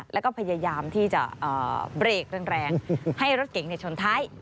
แล้วก็พยายามที่จะเบรกแรงให้รถเก๋งชนท้าย